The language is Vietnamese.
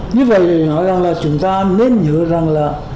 như vậy chúng ta nên nhớ rằng